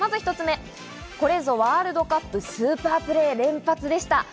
１つ目、これぞワールドカップ、スーパープレー連発でした。